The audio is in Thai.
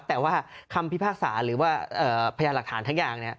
แต่ว่าคำพิพากษาหรือว่าพยานหลักฐานทั้งอย่าง